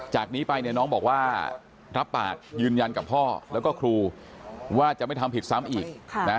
จากนี้ไปเนี่ยน้องบอกว่ารับปากยืนยันกับพ่อแล้วก็ครูว่าจะไม่ทำผิดซ้ำอีก